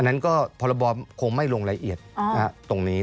นั้นก็พรบคงไม่ลงรายละเอียดตรงนี้